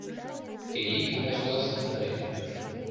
Тений кандаш классым пытарен.